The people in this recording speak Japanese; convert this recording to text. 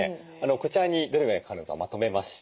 こちらにどれぐらいかかるのかまとめました。